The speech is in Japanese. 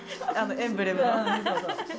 エンブレム。